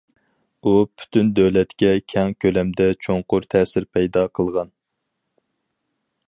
ئۇ پۈتۈن دۆلەتكە كەڭ كۆلەمدە چوڭقۇر تەسىر پەيدا قىلغان.